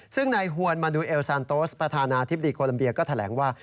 ซึ่งนายฮวนมาดูเอลซานโตสประธานาธิบดีโคลัมเบียก็แถลงว่า